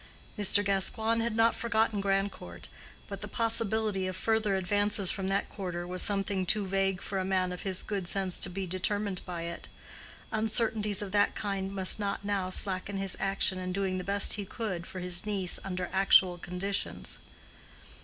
Mr. Gascoigne had not forgotten Grandcourt, but the possibility of further advances from that quarter was something too vague for a man of his good sense to be determined by it: uncertainties of that kind must not now slacken his action in doing the best he could for his niece under actual conditions.